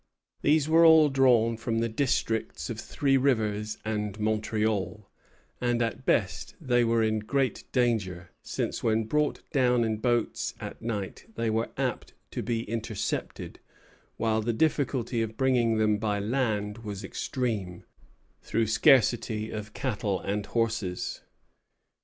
These were all drawn from the districts of Three Rivers and Montreal; and, at best, they were in great danger, since when brought down in boats at night they were apt to be intercepted, while the difficulty of bringing them by land was extreme, through the scarcity of cattle and horses.